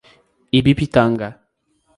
Ibipitanga